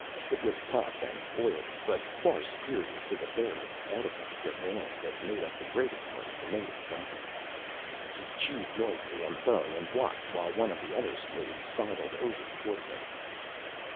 It was tough and oily but far superior to the barely edible krenoj that made up the greater part of the native diet. He chewed noisily on the bone and watched while one of the other slaves sidled over towards him.